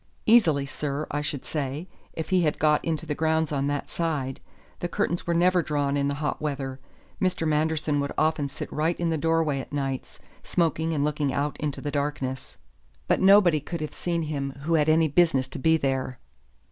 "Easily, sir, I should say, if he had got into the grounds on that side. The curtains were never drawn in the hot weather. Mr. Manderson would often sit right in the doorway at nights, smoking and looking out into the darkness. But nobody could have seen him who had any business to be there."